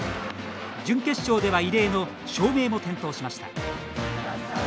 準決勝では異例の照明も点灯しました。